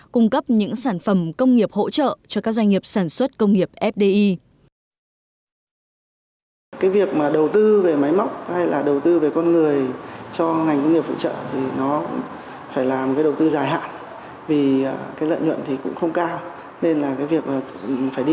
cung cấp những sản phẩm công nghiệp hỗ trợ cho các doanh nghiệp sản xuất công nghiệp fdi